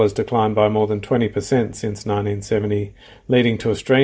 hujan telah menurun lebih dari dua puluh sejak seribu sembilan ratus tujuh puluh